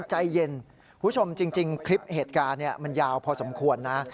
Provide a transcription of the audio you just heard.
ใจเย็นคุณผู้ชมจริงคลิปเหตุการณ์มันยาวพอสมควรนะ